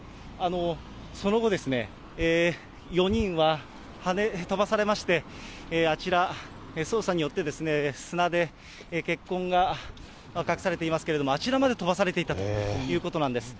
その後、４人ははね跳ばされまして、あちら、捜査によって砂で血痕が隠されていますけれども、あちらまで跳ばされていったということなんです。